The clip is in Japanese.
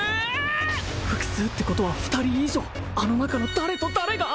複数ってことは二人以上あの中の誰と誰が？